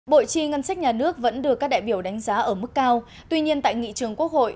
bộ chi ngân sách nhà nước vẫn được các đại biểu đánh giá ở mức cao tuy nhiên tại nghị trường quốc hội